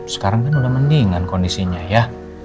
sekarang kan udah mendingan kondisinya ya